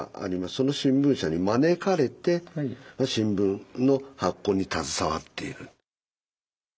その新聞社に招かれて新聞の発行に携わっている。